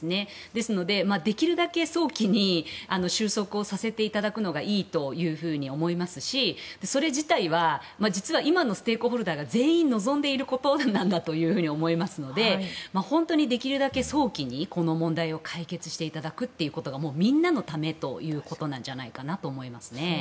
ですので、できるだけ早期に収束をさせていただくのがいいというふうに思いますしそれ自体は実は今のステークホルダーが全員望んでいることなんだと思いますので本当にできるだけ早期にこの問題を解決していただくのがもう、みんなのためということなんじゃないかなと思いますね。